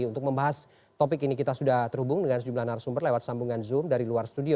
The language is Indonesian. untuk membahas topik ini kita sudah terhubung dengan sejumlah narasumber lewat sambungan zoom dari luar studio